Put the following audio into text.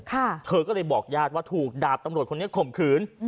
เธอก็เลยบอกญาติว่าถูกดาบตำรวจคนนี้ข่มขืน